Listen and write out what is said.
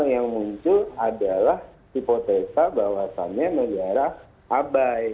yang muncul adalah hipotesa bahwasannya negara abai